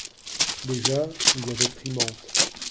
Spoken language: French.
Déjà il avait pris Mantes.